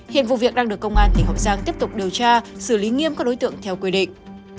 hiện vụ việc đang được công an tỉnh hậu giang tiếp tục điều tra xử lý nghiêm các đối tượng theo quy định